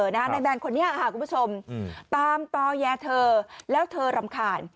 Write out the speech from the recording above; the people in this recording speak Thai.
นายแบนคนนี้ค่ะคุณผู้ชมตามต่อแย่เธอแล้วเธอรำคาญ